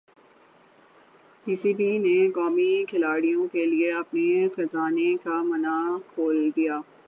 پی C B نے قومی کھلاڑیوں کیلئے اپنے خزانے کا منہ کھول دیا